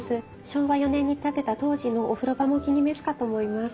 昭和４年に建てた当時のお風呂場もお気に召すかと思います。